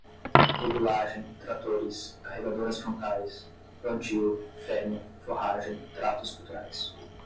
regulagem, tratores, carregadoras frontais, plantio, feno, forragem, tratos culturais